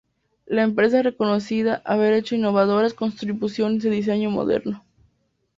La empresa es reconocida haber hecho innovadoras contribuciones al diseño moderno.